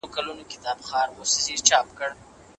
غازي امان الله خان د پغمان او جلال اباد لويې جرګې راوغوښتلې.